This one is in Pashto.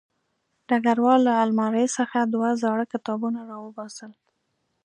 ډګروال له المارۍ څخه دوه زاړه کتابونه راوباسل